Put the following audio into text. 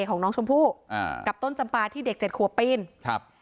ของน้องชมพู่อ่ากับต้นจำปลาที่เด็กเจ็ดขวบปีนครับ